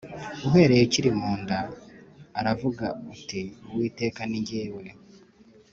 uhereye ukiri mu nda aravuga uti Uwiteka ni jyewe